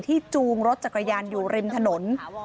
จูงรถจักรยานอยู่ริมถนน